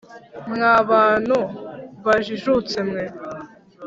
mwa bantu bajijutse mwe,